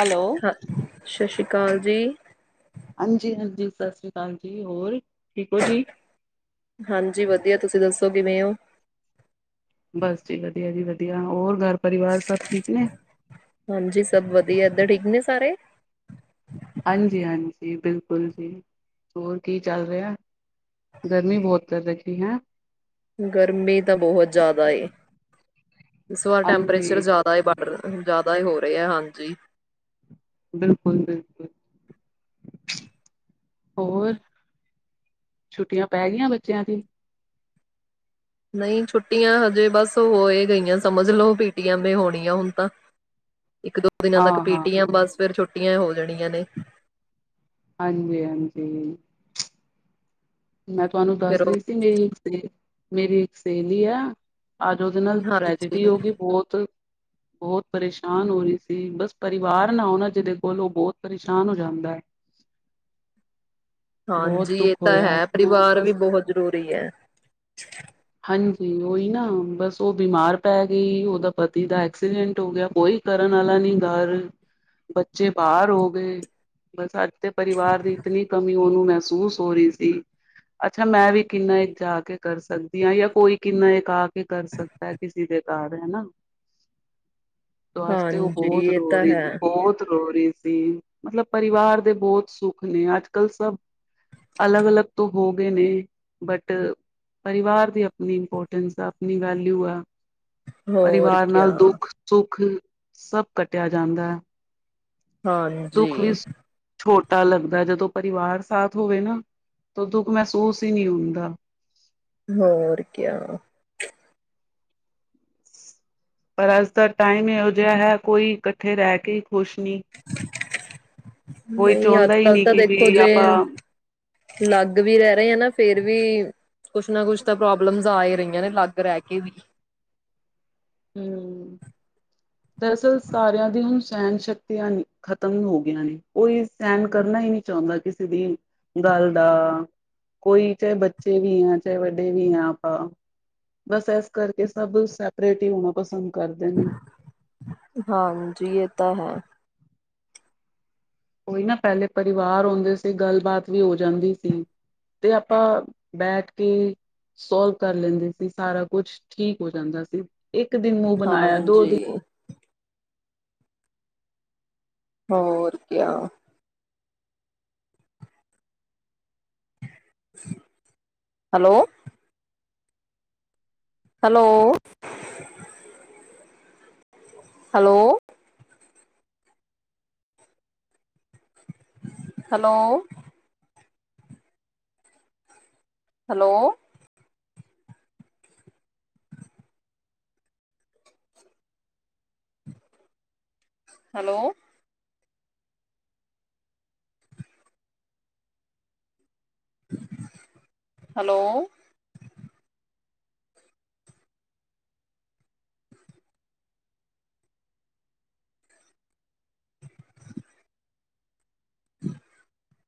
Hello ਹਾਂ ਸ਼ਸ਼ ਸ਼੍ਰੀ ਕਾਲ ਜੀ। ਹਾਂਜੀ ਹਾਂਜੀ ਸਤਿ ਸ੍ਰੀ ਅਕਾਲ ਜੀ ਹੋਰ ਠੀਕ ਹੋ ਜੀ। ਹਾਂਜੀ ਵਧੀਆ ਤੁਸੀ ਦੱਸੋ ਕਿਵੇਂ ਹੋ? ਬਸ ਜੀ ਵਧੀਆ ਜੀ ਵਧੀਆ ਹੋਰ ਘਰ ਪਰਿਵਾਰ ਸਭ ਠੀਕ ਨੇ ਹਾਂਜੀ ਸਭ ਵਧੀਆ। ਉਧਰ ਠੀਕ ਨੇ ਸਾਰੇ? ਹਾਂਜੀ ਹਾਂਜੀ ਬਿਲਕੁਲ ਜੀ ਹੋਰ ਕੀ ਚੱਲ ਰਿਹਾ ਗਰਮੀ ਬਹੁਤ ਕਰ ਰਖੀ ਹੈਂ। ਗਰਮੀ ਤਾਂ ਬਹੁਤ ਜ਼ਿਆਦਾ ਏ ਇਸ ਵਾਰ ਟੈਂਪਰੇਚਰ ਹਾਂਜੀ ਜ਼ਿਆਦਾ ਹੈ ਬਾਹਰ ਦਾ ਹੋ ਰਹੇ ਹੈ ਹਾਂਜੀ। ਬਿਲਕੁਲ ਬਿਲਕੁਲ ਹੋਰ ਛੁੱਟੀਆਂ ਪੈ ਗਈਆਂ ਬੱਚਿਆਂ ਦੀ? ਨਹੀਂ ਛੁੱਟੀਆਂ ਹਜੇ ਬਸ ਹੋਏ ਗਈਆਂ ਸਮਝ ਲਓ ਪੀ ਟੀ ਏਮ ਤੇ ਹੋਣੀ ਆ ਹੁਣ ਤਾਂ। ਇੱਕ ਦੋ ਦਿਨਾਂ ਹਾਂ ਤੱਕ ਹਾਂ ਪੀਟੀਐਮ ਆ ਬਸ ਫੇਰ ਛੁ ਛੁਟੀਆਂ ਹੋ ਜਾਣੀਆਂ ਨੇ, ਹਾਂਜੀ-ਹਾਂਜੀ ਮੈਂ ਤੁਹਾਨੂੰ ਫਿਰ ਦੱਸ ਉਹ ਰਹੀ ਸੀ ਮੇਰੀ ਮੇਰੀ ਇੱਕ ਸਹੇਲੀ ਆ। ਅੱਜ ਉਹਦੇ ਨਾਲ ਟ੍ਰੈਜਡੀ ਹਾਂਜੀ ਹੋ ਗਈ ਬਹੁਤ ਬਹੁਤ ਪਰੇਸ਼ਾਨ ਹੋ ਰਹੀ ਸੀ ਬਸ ਪਰਿਵਾਰ ਨਾ ਹੋ ਨਾ ਜਿਹਦੇ ਕੋਲ ਉਹ ਬਹੁਤ ਪਰੇਸ਼ਾਨ ਹੋ ਜਾਂਦਾ ਹੈ। ਬਹੁਤ ਹਾਂਜੀ ਦੁੱਖ ਇਹ ਤਾਂ ਹੋਇਆ ਹੈ। ਪਰਿਵਾਰ ਵੀ ਬਸ ਬਹੁਤ ਜ਼ਰੂਰੀ ਹੈ। ਹਾਂਜੀ ਉਹੀ ਨਾ ਬਸ ਉਹ ਬਿਮਾਰ ਪੈ ਗਈ ਉਹਦਾ ਪਤੀ ਦਾ ਐਕਸੀਡੈਂਟ ਹੋ ਗਿਆ ਕੋਈ ਕਰਨ ਵਾਲਾ ਨੀ ਗਰ ਬੱਚੇ ਬਾਹਰ ਹੋ ਗਏ ਬਸ ਅੱਜ ਤੇ ਪਰਿਵਾਰ ਦੀ ਇਤਨੀ ਕਮੀ ਉਹਨੂੰ ਮੇ ਸੂਸ ਹੋ ਰਹੀ ਸੀ। ਅੱਛਾ ਮੈਂ ਵੀ ਕਿੰਨਾ ਇੱਕ ਜਾ ਕੇ ਕਰ ਸਕਦੀ ਹਾਂ ਜਾਂ ਕੋਈ ਕਿੰਨਾ ਇੱਕ ਆ ਕੇ ਕਰ ਸਕਦਾ ਕਿਸੇ ਦੇ ਘਰ ਹਨਾ। ਵਾਸਤੇ ਉਹ ਹਾਂਜੀ ਬਹੁਤ ਇਹ ਰੋ ਤਾਂ ਰਹੀ ਹੈ ਬਹੁਤ ਰੋ ਰਹੀ ਸੀ ਮਤਲਬ ਪਰਿਵਾਰ ਦੇ ਬਹੁਤ ਸੁੱਖ ਨੇ ਅੱਜ ਕੱਲ ਸਭ ਅਲੱਗ-ਅਲੱਗ। ਤੋਂ ਹੋ ਗਏ ਨੇ ਬਟ ਪਰਿਵਾਰ ਦੀ ਆਪਣੀ ਇੰਪੋਰਟੈਂਸ ਆ ਆਪਣੀ ਵੈਲਿਊ ਆ। ਹੋਰ ਪਰਿਵਾਰ ਕਿਆ ਨਾਲ ਦੁੱਖ ਸੁੱਖ ਸਭ ਕੱਟਿਆ ਜਾਂਦਾ ਹੈ। ਹਾਂਜੀ ਪਤਾ ਲੱਗਦਾ ਜਦੋਂ ਪਰਿਵਾਰ ਸਾਥ ਹੋਵੇ ਨਾ ਤਾਂ ਦੁੱਖ ਮਹਿਸੂਸ ਹੀ ਨਹੀਂ ਹੁੰਦਾ ਹੋਰ ਕਿਆ। ਪਰ ਅੱਜ ਦਾ ਟਾਈਮ ਇਹੋ ਜਿਹਾ ਹੈ ਕੋਈ ਇਕੱਠੇ ਰਹਿ ਕੇ, ਖੁਸ਼ ਨਹੀਂ ਕੋਈ ਨਹੀਂ ਅੱਜ ਚਾਹੁੰਦਾ ਹੀ ਕੱਲ ਨਹੀਂ ਤਾਂ ਕਿ ਦੇਖੋ ਵੀ ਜੇ ਆਪਾਂ ਲੱਗ ਵੀ ਰਹਿ ਰਹੇ ਆ ਨਾ ਫੇਰ ਵੀ ਕੁਛ ਨਾ ਕੁਛ ਤਾਂ ਪ੍ਰੋਬਲਮਸ ਆ ਹੀ ਰਹੀਆਂ ਨੇ ਲੱਗ ਰਹਿ ਕੇ ਵੀ ਹੂੰ, ਦਰਅਸਲ ਸਾਰਿਆਂ ਦੀ ਹੁਣ ਸਹਿਣ ਸ਼ਕਤੀਆਂ ਖ਼ਤਮ ਹੋ ਗਈਆਂ ਨੇ ਕੋਈ ਸਹਿਣ ਕਰਨਾ ਹੀ ਨਹੀਂ ਚਾਹੁੰਦਾ, ਕਿਸੇ ਦੀ ਗੱਲ ਦਾ ਕੋਈ ਚਾਹੇ ਬੱਚੇ ਵੀ ਆ ਚਾਹੇ ਵੱਡੇ ਵੀ ਆ ਆਪਾਂ ਬਸ ਇਸ ਕਰਕੇ ਸਭ ਸੈਪਰੇਟ ਹੀ ਹੋਣਾ ਪਸੰਦ ਕਰਦੇ ਨੇ, ਹਾਂਜੀ ਇਹ ਤਾਂ ਹੈ। ਕੋਈ ਨਾ ਪਹਿਲੇ ਪਰਿਵਾਰ ਹੁੰਦੇ ਸੀ ਗੱਲਬਾਤ ਵੀ ਹੋ ਜਾਂਦੀ ਸੀ, ਤੇ ਆਪਾਂ ਬੈਠ ਕੇ ਸੋਲਵ ਕਰ ਲੈਂਦੇ ਸੀ ਸਾਰਾ ਕੁਛ ਠੀਕ ਹੋ ਜਾਂਦਾ ਸੀ। ਇੱਕ ਦਿਨ ਮੂੰਹ ਬਣਾਇਆ ਦੋ ਦਿਨ ਹਾਂਜੀ ਹੋਰ ਕਿਆ। Hello, hello, hello, hello, hello, hello, hello [unintelligible] [inaudible]